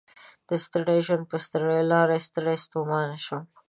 د ستړي ژوند په ستړي لار ستړی ستومان شوم